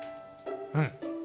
うん。